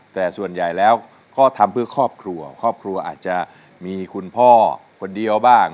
แต่ส่วนใหญ่แล้วก็ทำเพื่อครอบครัวครอบครัวอาจจะมีคุณพ่อคนเดียวบ้าง